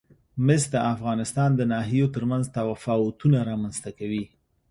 مس د افغانستان د ناحیو ترمنځ تفاوتونه رامنځ ته کوي.